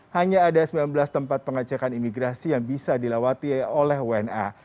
hanya ada sembilan belas tempat pengecekan imigrasi yang bisa dilewati oleh wna